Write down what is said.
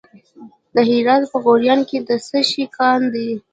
د هرات په غوریان کې د څه شي کان دی؟